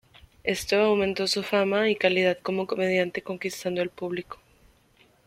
Esto aumentó su fama y calidad como comediante, conquistando el público.